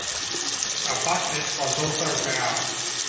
A bucket was also found.